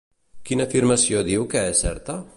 Quina afirmació diu que és certa?